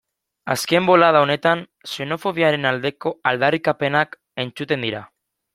Azken bolada honetan xenofobiaren aldeko aldarrikapenak entzuten dira.